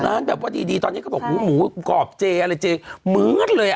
ร้านแบบว่าดีดีตอนนี้เขาบอกหูหมูกรอบเจอะไรเจเหมือนเลยอ่ะ